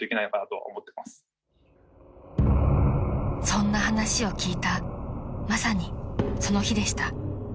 ［そんな話を聞いたまさにその日でした］